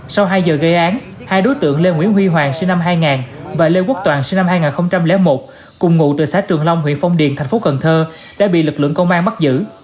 sau hai giờ gây án hai đối tượng lê nguyễn huy hoàng sinh năm hai nghìn và lê quốc toàn sinh năm hai nghìn một cùng ngụ từ xã trường long huyện phong điền thành phố cần thơ đã bị lực lượng công an bắt giữ